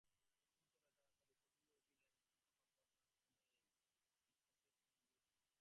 বসন্ত রায় তাড়াতাড়ি কহিয়া উঠিলেন, বাবা প্রতাপ, উদয়ের ইহাতে কোনো দোষ নাই।